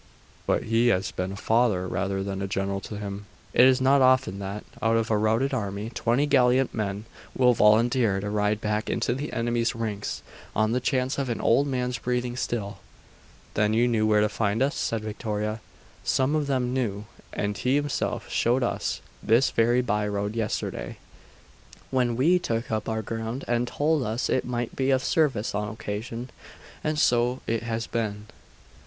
But he has been a father rather than a general to them. It is not often that, out of a routed army, twenty gallant men will volunteer to ride back into the enemy's ranks, on the chance of an old man's breathing still.' 'Then you knew where to find us?' said Victoria. 'Some of them knew. And he himself showed us this very by road yesterday, when we took up our ground, and told us it might be of service on occasion and so it has been.